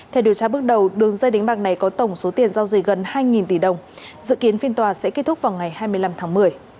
theo điều tra bước đầu đường dây đánh bạc này có tổng số tiền giao dịch gần hai tỷ đồng dự kiến phiên tòa sẽ kết thúc vào ngày hai mươi năm tháng một mươi